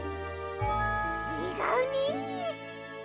ちがうね。